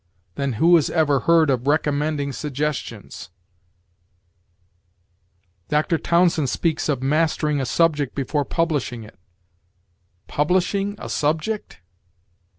Then who has ever heard of recommending suggestions? Dr. Townsend speaks of mastering a subject before publishing it. Publishing a subject?